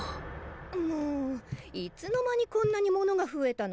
もういつの間にこんなに物が増えたの？